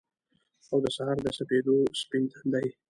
او دسهار دسپیدو ، سپین تندی